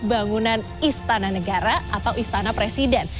bangunan istana negara atau istana presiden